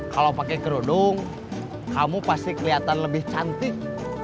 kalau pakai kerudung kamu pasti kelihatan lebih cantik